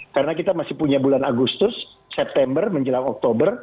karena kita masih punya bulan agustus september menjelang oktober